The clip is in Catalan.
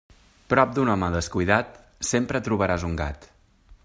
Prop d'un home descuidat, sempre trobaràs un gat.